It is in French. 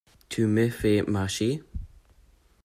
Tu me fais marcher?